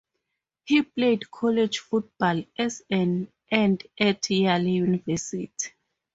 He played college football as an end at Yale University.